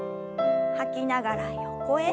吐きながら横へ。